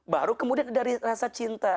baru kemudian dari rasa cinta